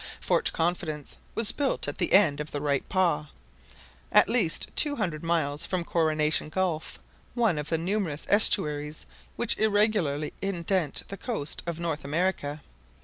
Fort Confidence was built at the end of the " right paw," at least two hundred miles from Coronation Gulf, one of the numerous estuaries which irregularly indent the coast of North America.